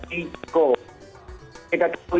dan juga min terus berdua